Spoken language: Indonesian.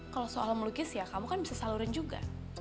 kalau soal melukis ya kamu kan bisa salurin juga